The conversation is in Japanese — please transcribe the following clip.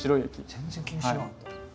全然気にしてなかった。